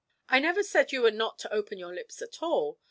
'I never said you were not to open your lips at all.